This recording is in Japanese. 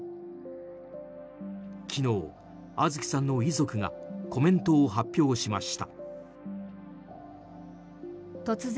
昨日、杏月さんの遺族がコメントを発表しました。